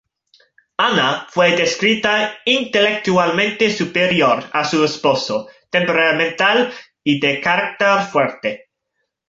Ana fue descrita intelectualmente superior a su esposo, temperamental y de carácter fuerte.